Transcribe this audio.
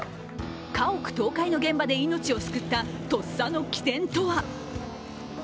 家屋倒壊の現場で命を救った、とっさの機転とは。